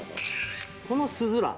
このスズラン。